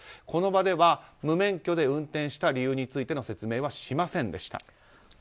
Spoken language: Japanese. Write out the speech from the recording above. この場では無免許で運転した理由についての説明はしませんでした。